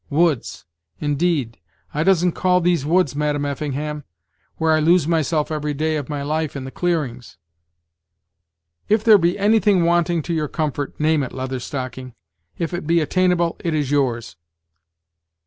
Woods! indeed! I doesn't call these woods, Madam Effingham, where I lose myself every day of my life in the clearings." "If there be anything wanting to your comfort, name it, Leather Stocking; if it be attainable it is yours."